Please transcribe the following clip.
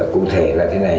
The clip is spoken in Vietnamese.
cụ thể là thế này